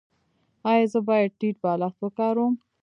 ایا زه باید ټیټ بالښت وکاروم؟